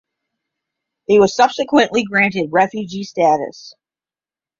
He was subsequently granted refugee status.